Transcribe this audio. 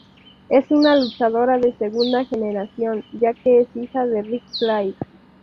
Es una luchadora de segunda generación ya que es hija de Ric Flair.